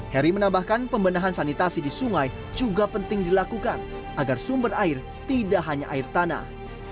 heri menambahkan pembenahan sanitasi di sungai juga penting dilakukan agar sumber air tidak hanya air tanah